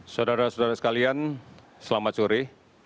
saudara saudara sekalian selamat sore